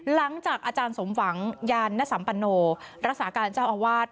หลังจากอาจารย์สมหวังยานนสัมปโนรักษาการเจ้าอาวาส